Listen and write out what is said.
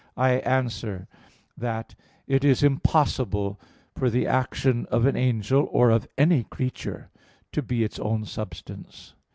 I answer that, It is impossible for the action of an angel, or of any creature, to be its own substance.